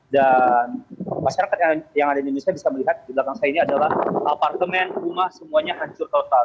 dan masyarakat yang ada di indonesia bisa melihat di belakang saya ini adalah apartemen rumah semuanya hancur total